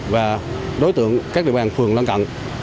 và đối tượng các địa bàn phường đoàn cận